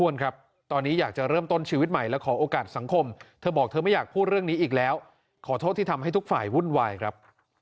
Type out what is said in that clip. และขอโอกาสสังคมเธอบอกว่าเธอไม่อยากพูดเรื่องนี้อีกแล้วขอโทษที่ทำให้ทุกฝ่ายหุ้นวายครับ